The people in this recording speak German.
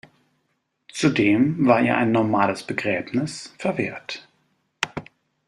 Zudem war ihr ein normales Begräbnis verwehrt.